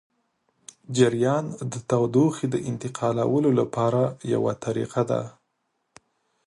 جریان د تودوخې د انتقالولو لپاره یوه طریقه ده.